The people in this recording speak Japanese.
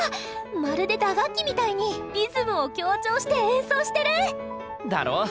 まるで打楽器みたいにリズムを強調して演奏してる！だろ。